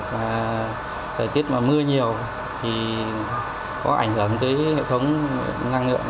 và thời tiết mà mưa nhiều thì có ảnh hưởng tới hệ thống năng lượng